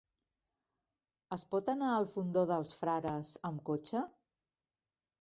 Es pot anar al Fondó dels Frares amb cotxe?